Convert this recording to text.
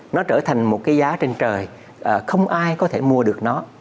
nó trở thành một cái giá trên trời không ai có thể mua được nó